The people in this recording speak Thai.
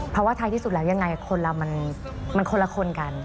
เพราะว่าท้ายที่สุดแล้วยังไงคนเรามันคนละคนกัน